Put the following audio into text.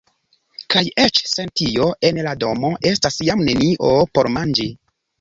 Kaj eĉ sen tio en la domo estas jam nenio por manĝi.